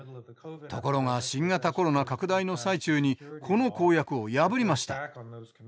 ところが新型コロナ拡大の最中にこの公約を破りました。